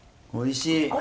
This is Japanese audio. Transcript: おいしい。